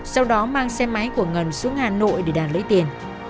sau đó mang xe máy của ngân xuống hà nội để đạt lấy tiền